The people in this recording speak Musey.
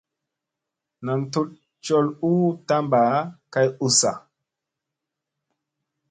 Nam tut col u tamba kay ussa.